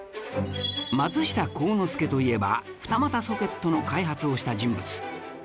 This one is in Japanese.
松下幸之助といえば二股ソケットの開発をした人物